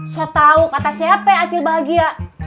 sotau kata siapa ya acil bahagia